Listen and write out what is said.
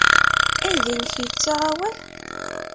Aydi-nnek yettaɣ awal?